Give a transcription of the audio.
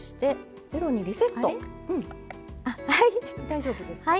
大丈夫ですか？